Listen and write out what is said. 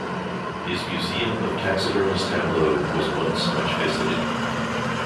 His museum of taxidermist's tableaux was once much visited.